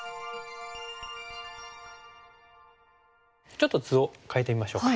ちょっと図を変えてみましょうか。